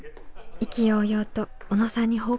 意気揚々と小野さんに報告です。